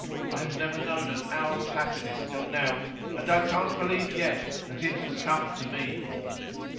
I have never known an hour of happiness till now, and I can't believe yet that it has come to me.